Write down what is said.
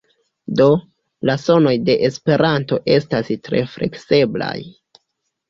Do, la sonoj de esperanto estas tre flekseblaj.